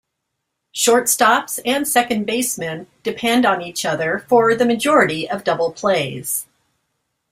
Shortstops and second basemen depend upon each other for the majority of double plays.